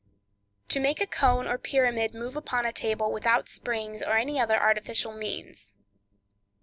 To Make a Cone or Pyramid Move upon a Table Without Springs or Any Other Artificial Means.